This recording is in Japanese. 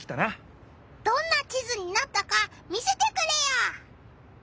どんな地図になったか見せてくれよ！